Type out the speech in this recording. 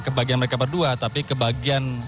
kebahagiaan mereka berdua tapi kebahagiaan